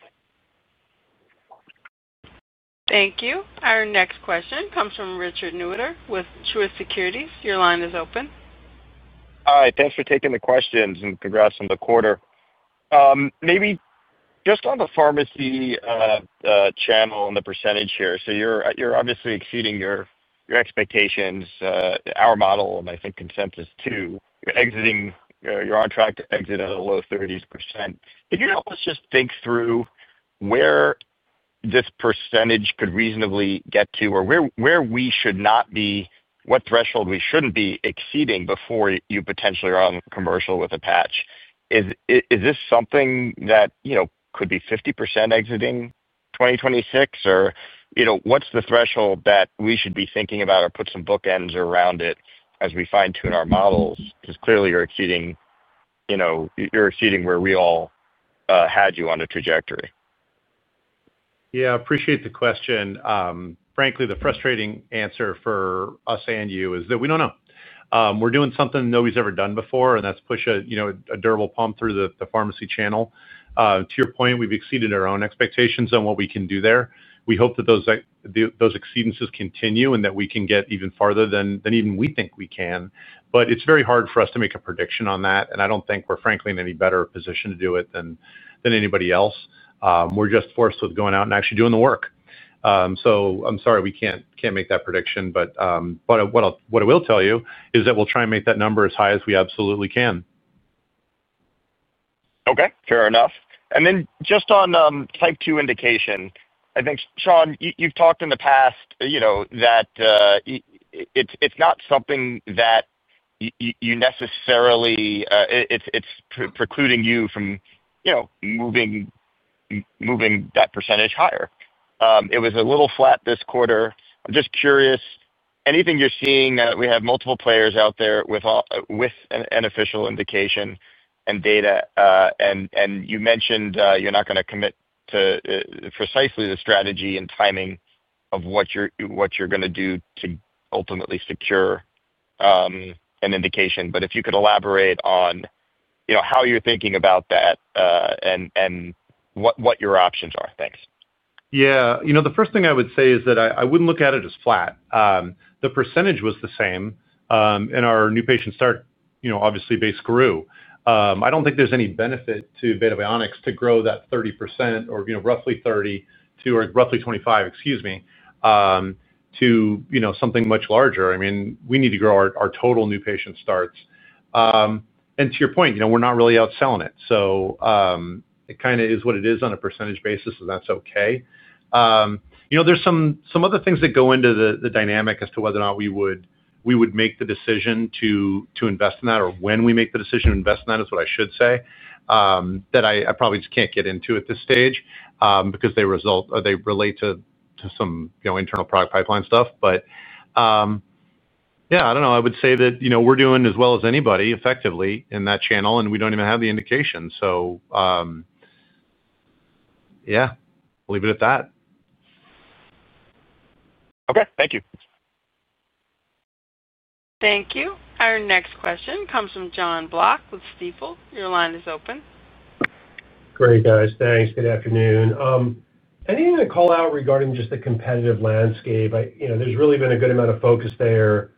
Thank you. Our next question comes from Richard Newitter with Truist Securities. Your line is open. All right, thanks for taking the questions, and congrats on the quarter. Maybe just on the pharmacy channel and the percentage here, you're obviously exceeding your expectations, our model, and I think consensus too. You're on track to exit at a low 30s %. If you could help us just think through where this percentage could reasonably get to or what threshold we shouldn't be exceeding before you potentially are on commercial with a patch. Is this something that could be 50% exiting 2026, or what's the threshold that we should be thinking about or put some bookends around it as we fine-tune our models? Clearly, you're exceeding where we all had you on a trajectory. Yeah, I appreciate the question. Frankly, the frustrating answer for us and you is that we don't know. We're doing something nobody's ever done before, and that's push a durable pump through the pharmacy channel. To your point, we've exceeded our own expectations on what we can do there. We hope that those exceedances continue and that we can get even farther than even we think we can, but it's very hard for us to make a prediction on that. I don't think we're frankly in any better position to do it than anybody else. We're just forced with going out and actually doing the work. I'm sorry we can't make that prediction, but what I will tell you is that we'll try and make that number as high as we absolutely can. Okay, fair enough. On type 2 indication, I think, Sean, you've talked in the past that it's not something that is necessarily precluding you from moving that percentage higher. It was a little flat this quarter. I'm just curious, anything you're seeing that we have multiple players out there with an official indication and data, and you mentioned you're not going to commit to precisely the strategy and timing of what you're going to do to ultimately secure an indication, but if you could elaborate on how you're thinking about that and what your options are. Thanks. The first thing I would say is that I wouldn't look at it as flat. The percentage was the same, and our new patient start base grew. I don't think there's any benefit to Beta Bionics to grow that 30% or, you know, roughly 30% to, or roughly 25, excuse me, to something much larger. We need to grow our total new patient starts. To your point, we're not really outselling it, so it kind of is what it is on a percentage basis, and that's okay. There are some other things that go into the dynamic as to whether or not we would make the decision to invest in that or when we make the decision to invest in that, is what I should say, that I probably just can't get into at this stage because they relate to some internal product pipeline stuff. I would say that we're doing as well as anybody effectively in that channel, and we don't even have the indication. Leave it at that. Okay, thank you. Thank you. Our next question comes from Jon Block with Stifel. Your line is open. Great, guys. Thanks. Good afternoon. Anything to call out regarding just the competitive landscape? You know, there's really been a good amount of focus there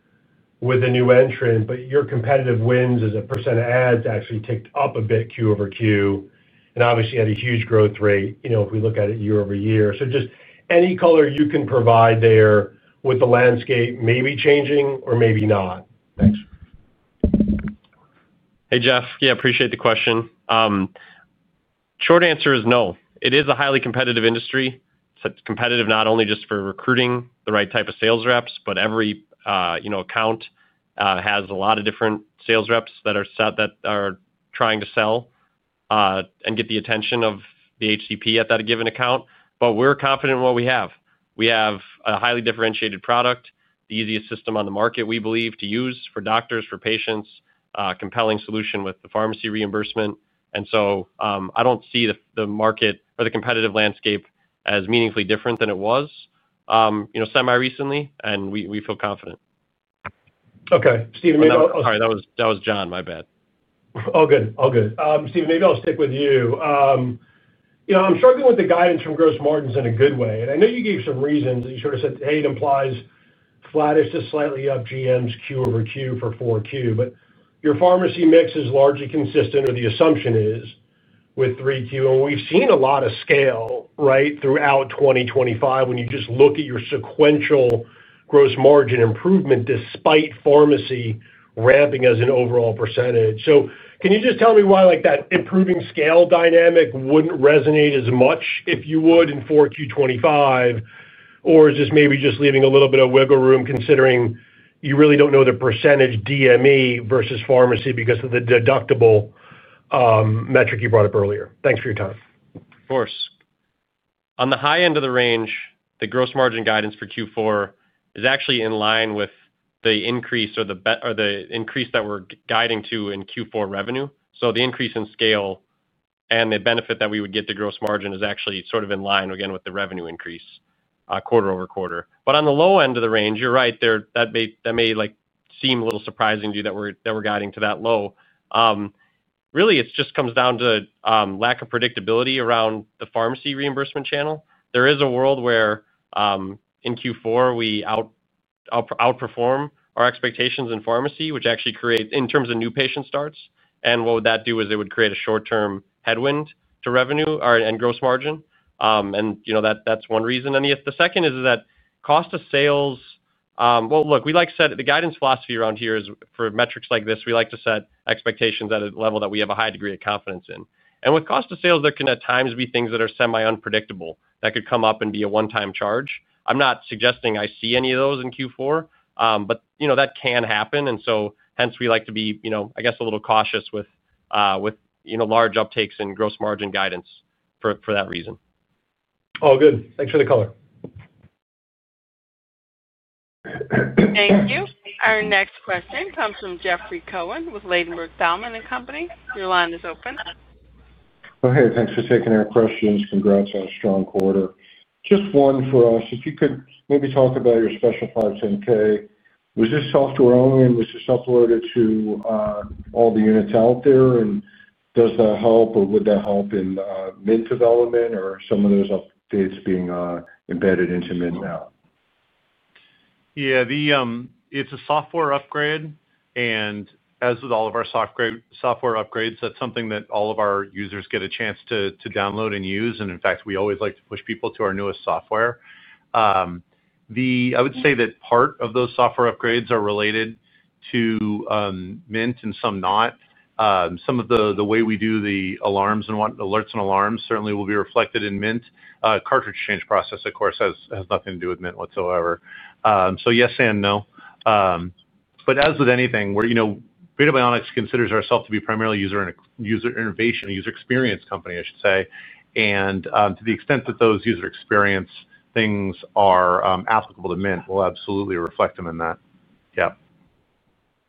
with the new entrant, but your competitive wins as a percentage of ads actually ticked up a bit Q over Q and obviously had a huge growth rate, you know, if we look at it year-over-year. Just any color you can provide there with the landscape maybe changing or maybe not. Thanks. Hey, Jon. Yeah, I appreciate the question. Short answer is no. It is a highly competitive industry. It's competitive not only just for recruiting the right type of sales reps, every account has a lot of different sales reps that are trying to sell and get the attention of the HCP at that given account. We're confident in what we have. We have a highly differentiated product, the easiest system on the market we believe to use for doctors, for patients, a compelling solution with the pharmacy reimbursement. I don't see the market or the competitive landscape as meaningfully different than it was, you know, semi-recently, and we feel confident. Okay. Stephen, maybe I'll... Sorry, that was Jon. My bad. All good. All good. Stephen, maybe I'll stick with you. You know, I'm struggling with the guidance from gross margins in a good way. I know you gave some reasons that you sort of said, hey, it implies flattish to slightly up GMs Q over Q for 4Q, but your pharmacy mix is largely consistent, or the assumption is, with 3Q. We've seen a lot of scale throughout 2025 when you just look at your sequential gross margin improvement despite pharmacy ramping as an overall percentage. Can you just tell me why that improving scale dynamic wouldn't resonate as much if you would in 4Q 2025? Is this maybe just leaving a little bit of wiggle room considering you really don't know the percentage DME versus pharmacy because of the deductible metric you brought up earlier? Thanks for your time. Of course. On the high end of the range, the gross margin guidance for Q4 is actually in line with the increase or the increase that we're guiding to in Q4 revenue. The increase in scale and the benefit that we would get to gross margin is actually sort of in line, again, with the revenue increase quarter-over-quarter. On the low end of the range, you're right there, that may seem a little surprising to you that we're guiding to that low. Really, it just comes down to lack of predictability around the pharmacy reimbursement channel. There is a world where in Q4 we outperform our expectations in pharmacy, which actually creates, in terms of new patient starts, a short-term headwind to revenue and gross margin. That's one reason. The second is that cost of sales, look, the guidance philosophy around here is for metrics like this, we like to set expectations at a level that we have a high degree of confidence in. With cost of sales, there can at times be things that are semi-unpredictable that could come up and be a one-time charge. I'm not suggesting I see any of those in Q4, but that can happen. Hence, we like to be, I guess, a little cautious with large uptakes in gross margin guidance for that reason. All good. Thanks for the color. Thank you. Our next question comes from Jeffrey Cohen with Ladenburg Thalmann. Your line is open. Thank you for taking our questions. Congrats on a strong quarter. Just one for us. If you could maybe talk about your special 510(k). Was this software only, and was this uploaded to all the units out there, and does that help, or would that help in Mint development or some of those updates being embedded into Mint now? Yeah, it's a software upgrade, and as with all of our software upgrades, that's something that all of our users get a chance to download and use. In fact, we always like to push people to our newest software. I would say that part of those software upgrades are related to Mint and some not. Some of the way we do the alarms and what alerts and alarms certainly will be reflected in Mint. The cartridge change process, of course, has nothing to do with Mint whatsoever. Yes and no. As with anything, you know, Beta Bionics considers ourselves to be primarily a user innovation, a user experience company, I should say. To the extent that those user experience things are applicable to Mint, we'll absolutely reflect them in that. Yeah.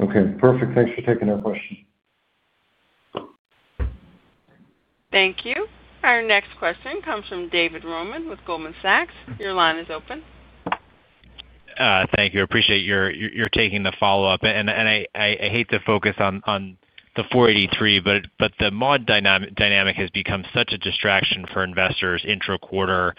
Okay, perfect. Thanks for taking our question. Thank you. Our next question comes from David Roman with Goldman Sachs. Your line is open. Thank you. I appreciate your taking the follow-up. I hate to focus on the 483, but the MOD dynamic has become such a distraction for investors into the quarter.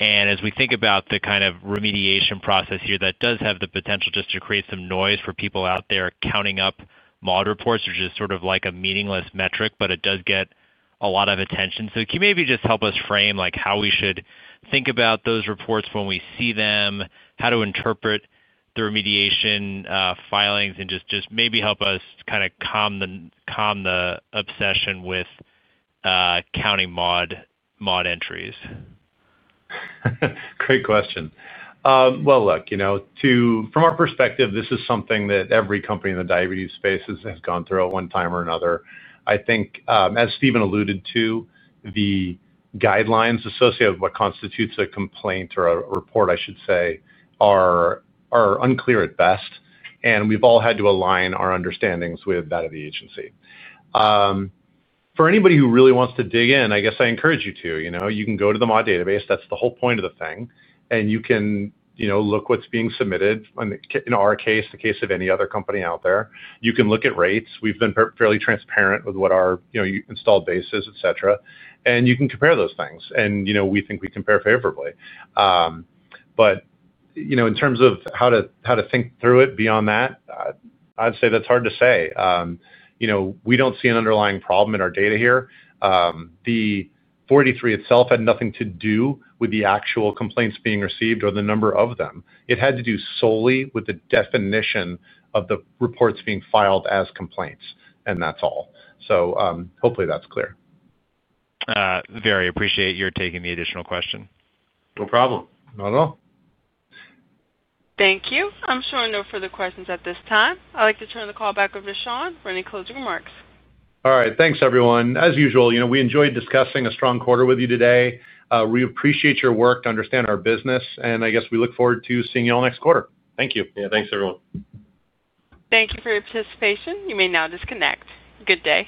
As we think about the kind of remediation process here, that does have the potential just to create some noise for people out there counting up MOD reports, which is sort of like a meaningless metric, but it does get a lot of attention. Can you maybe just help us frame how we should think about those reports when we see them, how to interpret the remediation filings, and just maybe help us kind of calm the obsession with counting MOD entries? Great question. From our perspective, this is something that every company in the diabetes space has gone through at one time or another. I think, as Stephen alluded to, the guidelines associated with what constitutes a complaint or a report, I should say, are unclear at best. We've all had to align our understandings with that of the agency. For anybody who really wants to dig in, I encourage you to go to the MOD database. That's the whole point of the thing. You can look at what's being submitted. In our case, the case of any other company out there, you can look at rates. We've been fairly transparent with what our installed base is, et cetera. You can compare those things. We think we compare favorably. In terms of how to think through it beyond that, I'd say that's hard to say. We don't see an underlying problem in our data here. The 43 itself had nothing to do with the actual complaints being received or the number of them. It had to do solely with the definition of the reports being filed as complaints. That's all. Hopefully, that's clear. Very appreciate your taking the additional question. No problem, not at all. Thank you. I'm showing no further questions at this time. I'd like to turn the call back over to Sean for any closing remarks. All right, thanks everyone. As usual, we enjoyed discussing a strong quarter with you today. We appreciate your work to understand our business, and we look forward to seeing you all next quarter. Thank you. Yeah, thanks everyone. Thank you for your participation. You may now disconnect. Good day.